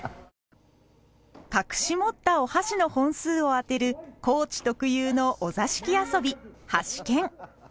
隠し持ったお箸の本数を当てる高知特有のお座敷遊びはし拳。